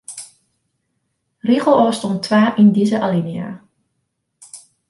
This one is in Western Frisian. Rigelôfstân twa yn dizze alinea.